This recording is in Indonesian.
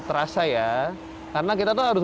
terasa ya karena kita tuh harus